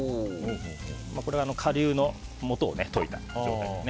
これは顆粒のもとを溶いた状態です。